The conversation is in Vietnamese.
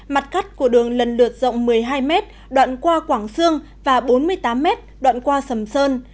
mặt cắt của đường lần lượt rộng một mươi hai m đoạn qua quảng sương và bốn mươi tám m đoạn qua sầm sơn